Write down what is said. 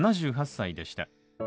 ７８歳でした。